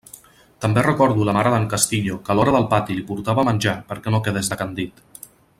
També recordo la mare d'en Castillo que a l'hora del pati li portava menjar perquè no quedés decandit.